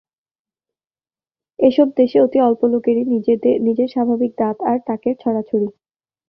এ সব দেশে অতি অল্প লোকেরই নিজের স্বাভাবিক দাঁত আর টাকের ছড়াছড়ি।